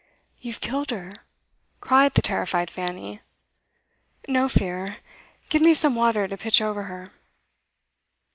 'You've killed her,' cried the terrified Fanny. 'No fear. Give me some water to pitch over her.